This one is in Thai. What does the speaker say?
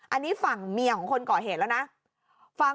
อันนี้ฝั่งเมียของคนก่อเหตุแล้วนะ